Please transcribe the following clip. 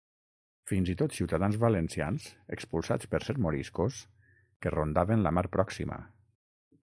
Fins i tot ciutadans valencians expulsats per ser moriscos, que rondaven la mar pròxima.